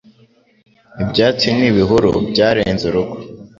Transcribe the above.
ibyatsi n'ibihuru byarenze urugo